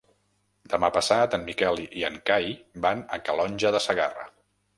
Demà passat en Miquel i en Cai van a Calonge de Segarra.